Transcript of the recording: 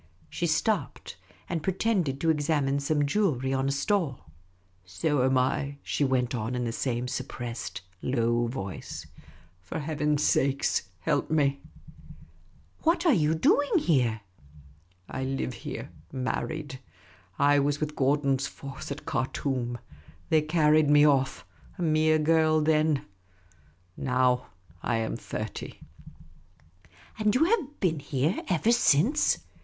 She stopped and pretended to examine some jewellery on a stall. '' So am I, " she went on, in the same suppressed, low v^oice. " For Heaven's sake, help me !" 19^ Miss Cayley's Adventures " What are you doing here ?"" I live here — married. I was with Gordon's force at Khartoum. They carried me off. A mere girl then. Now I am thirty." " And you have been here ever since